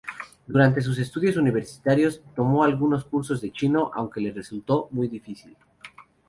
Durante sus estudios universitarios, tomó algunos cursos de chino, aunque le resultó muy difícil.